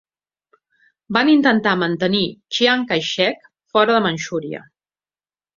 Van intentar mantenir Chiang Kai-shek fora de Manxúria.